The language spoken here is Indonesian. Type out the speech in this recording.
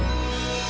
benar terima kasih